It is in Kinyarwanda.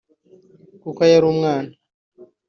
Kuko yari umwana